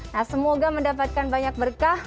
nah semoga mendapatkan banyak berkah